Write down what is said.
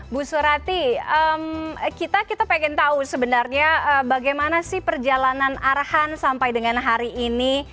bu surati kita pengen tahu sebenarnya bagaimana sih perjalanan arhan sampai dengan hari ini